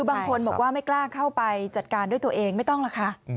บางคนบอกว่าไม่กล้าเข้าไปจัดการด้วยตัวเองไม่ต้องหรอกค่ะ